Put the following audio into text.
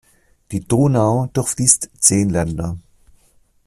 Die Donau durchfließt zehn Länder.